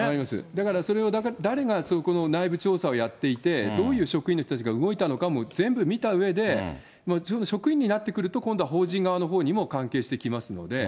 だからそれを誰がそこの内部調査をやっていて、どういう職員の人たちが動いたのかも全部見たうえで、職員になってくると今度は法人側のほうにも関係してきますので。